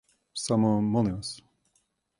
Само, молим вас.